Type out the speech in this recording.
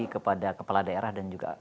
kepada kepala daerah dan juga